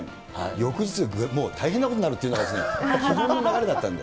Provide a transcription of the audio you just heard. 翌日、もう大変なことになるっていうのがですね、基本の流れだったんで。